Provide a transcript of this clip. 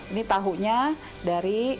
ini tahunya dari